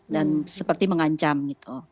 dan seperti mengancam gitu